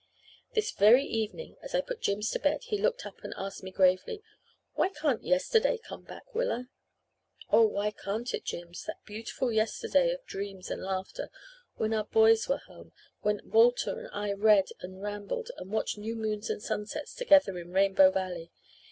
"This very evening as I put Jims to bed he looked up and asked me gravely, 'Why can't yesterday come back, Willa?' "Oh, why can't it, Jims? That beautiful 'yesterday' of dreams and laughter when our boys were home when Walter and I read and rambled and watched new moons and sunsets together in Rainbow Valley.